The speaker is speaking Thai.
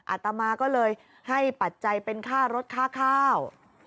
อาตมาก็เลยให้ปัจจัยเป็นค่ารถค่าข้าว